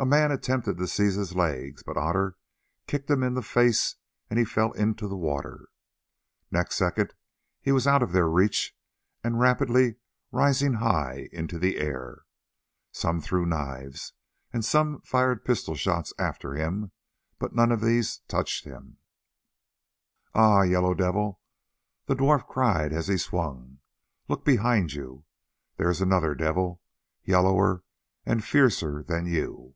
A man attempted to seize his legs, but Otter kicked him in the face and he fell into the water. Next second he was out of their reach and rapidly rising high into the air. Some threw knives and some fired pistol shots after him, but none of these touched him. "Ah! Yellow Devil," the dwarf cried as he swung, "look behind you: there is another devil, yellower and fiercer than you."